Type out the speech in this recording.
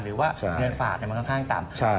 หรือว่าเงินฝากมันค่อนข้างต่ำ